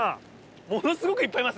ものすごくいっぱいいますね。